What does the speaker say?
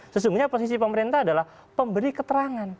sesungguhnya posisi pemerintah adalah pemberi keterangan